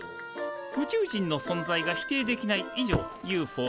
宇宙人の存在が否定できない以上ＵＦＯ